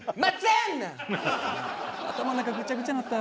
頭の中ぐちゃぐちゃになった。